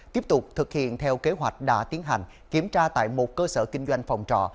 tiếp tục thực hiện theo kế hoạch đã tiến hành kiểm tra tại một cơ sở kinh doanh phòng trọ